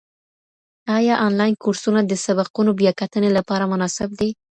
ايا انلاين کورسونه د سبقونو بیاکتنې لپاره مناسب دي؟